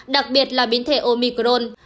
đặc biệt là biến thể omicron